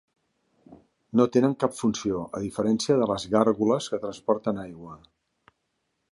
No tenen cap funció, a diferència de les gàrgoles que transporten aigua.